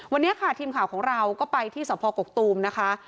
วันนี้ค่ะทีมข่าวของเราก็ไปที่สพกกตูมนะคะ